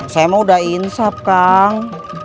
saya mah udah insap kang